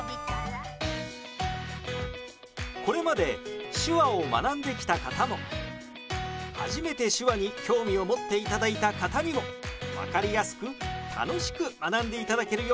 これまで手話を学んできた方も初めて手話に興味を持っていただいた方にも分かりやすく楽しく学んでいただけるよう